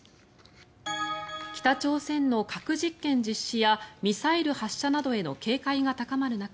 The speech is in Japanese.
北朝鮮の核実験実施やミサイル発射などへの警戒が高まる中